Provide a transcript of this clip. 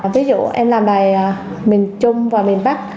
ví dụ em làm bài miền trung và miền bắc